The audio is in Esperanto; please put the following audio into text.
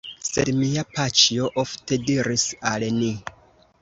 Sed mia paĉjo ofte diris al ni: